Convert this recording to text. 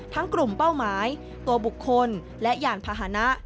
กลุ่มเป้าหมายตัวบุคคลและยานพาหนะ